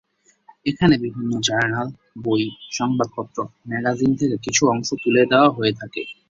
এখানে বিভিন্ন জার্নাল, বই, সংবাদপত্র, ম্যাগাজিন থেকে কিছু অংশ তুলে দেওয়া হয়ে থাকে।